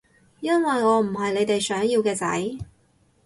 因為我唔係你哋想要嘅仔